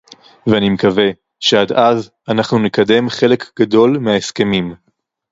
ואני מקווה שעד אז אנחנו נקדם חלק גדול מההסכמים